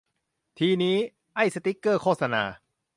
ทีนี้ ไอ้สติ๊กเกอร์โฆษณา